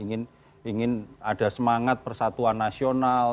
ingin ada semangat persatuan nasional